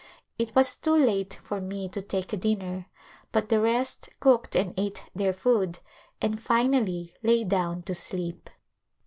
It was too late for me to take din ner but the rest cooked and ate their food and finally lay down to sleep.